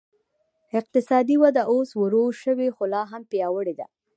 اقتصادي وده اوس ورو شوې خو لا هم پیاوړې ده.